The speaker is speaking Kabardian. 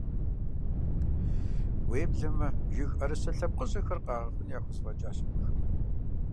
Уеблэмэ, жыг ӏэрысэ лъэпкъыщӏэхэр къагъэхъуни яхузэфӏэкӏащ абыхэм.